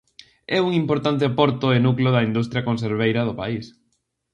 É un importante porto e núcleo da industria conserveira do país.